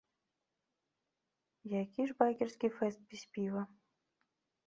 Які ж байкерскі фэст без піва?!